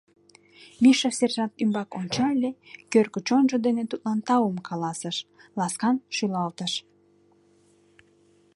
Миша сержант ӱмбак ончале, кӧргӧ чонжо дене тудлан таум каласыш, ласкан шӱлалтыш.